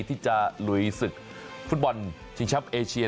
ที่จะลุยศึกฟุตบอลชิงแชมป์เอเชีย